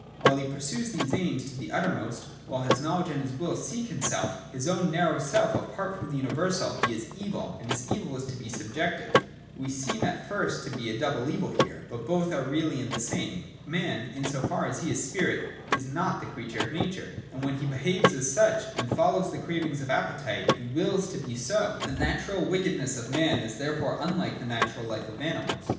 While he ' pursues these aims tothe uttermost, while his knowledge and his will seek himself, his own narrow self apart from the universal, he is evil ; and his evil is to be subjective. We seem at first to have a double evil here : but both are really the same. Man in so far as he is spirit is not the creature of nature : and when he behaves as such, and ' follows the cravings of appetite, he wills to be so. The natural wickedness of man is therefore unlike the natural life of animals.